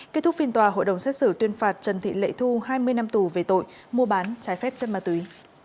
kết thúc phiên tòa hội đồng xét xử tuyên phạt trần thị lệ thu hai mươi năm tù về tội mua bán trái phép chất ma túy